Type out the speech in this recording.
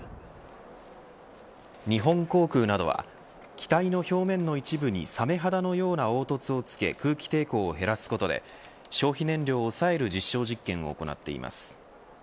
日本航空などは機体の表面の一部にサメ肌のような凹凸をつけ空気抵抗を減らすことで消費燃料を抑える実証実験を行っています。